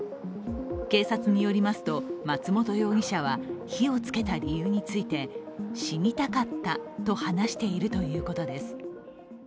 警察によりますと、松本容疑者は火をつけた理由について死にたかったと話しているということです。